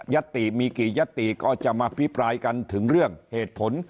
ติมีกี่ยติก็จะมาพิปรายกันถึงเรื่องเหตุผล